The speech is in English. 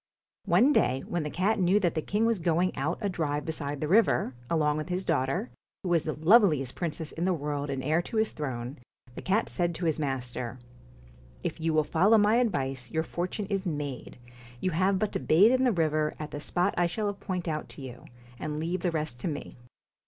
One day when the cat knew that the king was going out a drive beside the river, along with his daughter, who was the loveliest princess in the world and heir to his throne, the cat said to his master: 'If you will follow my advice, your for tune is made. You have but to bathe in the river, at the spot I shall point out to you, and leave the rest to me.'